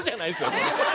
これ。